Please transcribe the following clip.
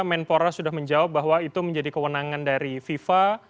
menpora sudah menjawab bahwa itu menjadi kewenangan dari fifa